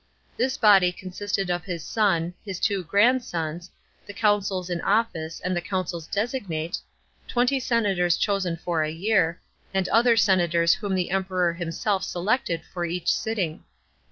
This body consisted of his son, his two grandsons, the consuls in office and the consuls designate, twenty senators chosen for a year, and other senators whom the Emperor himself selected for each sitting.